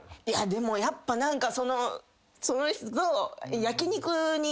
いやでもやっぱ何かその。